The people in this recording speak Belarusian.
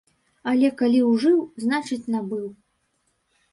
Але калі ужыў, значыць, набыў.